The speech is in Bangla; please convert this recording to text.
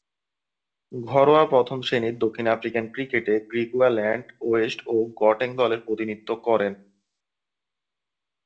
ঘরোয়া প্রথম-শ্রেণীর দক্ষিণ আফ্রিকান ক্রিকেটে গ্রিকুয়াল্যান্ড ওয়েস্ট ও গটেং দলের প্রতিনিধিত্ব করেন।